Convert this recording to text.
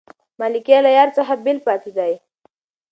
ملکیار له یار څخه بېل پاتې دی.